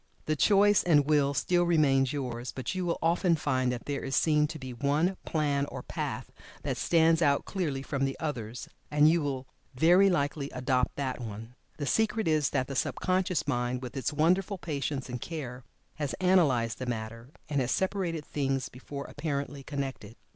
The choice and will still remains yours, but you will often find that there is seen to be one plan or path that stands out clearly from the others, and you will very likely adopt that one. The secret is that the sub conscious mind with its wonderful patience and care has analyzed the matter, and has separated things before apparently connected.